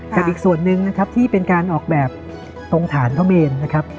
อีกส่วนหนึ่งนะครับที่เป็นการออกแบบตรงฐานพระเมนนะครับ